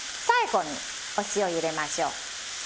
最後にお塩入れましょう。